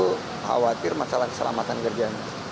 khawatir masalah keselamatan kerjaan